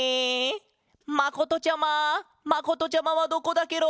まことちゃままことちゃまはどこだケロ？